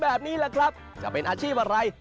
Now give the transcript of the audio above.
แบบนี้แหละครับจะเป็นอาชีพอะไร